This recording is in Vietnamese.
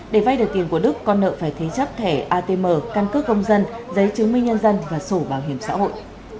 để vay được tiền của đức con nợ phải thế chấp thẻ atm căn cước công dân giấy chứng minh nhân dân và sổ bảo hiểm xã hội